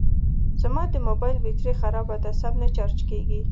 زما د موبایل بېټري خرابه ده سم نه چارج کېږي